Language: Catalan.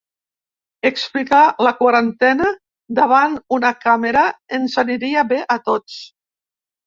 Explicar la quarantena davant una càmera ens aniria bé a tots.